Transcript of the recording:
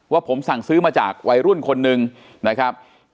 ว่าผมสั่งซื้อมาจากวัยรุ่นคนหนึ่งนะครับ